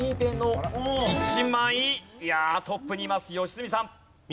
いやあトップにいます良純さん。